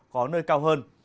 có nơi cao hơn